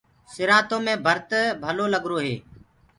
سِرآنٚتو مينٚ ڀرت ڀلو لگرو هي۔